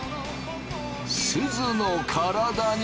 すずの体に。